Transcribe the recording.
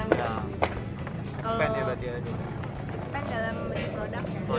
ekspand dalam produk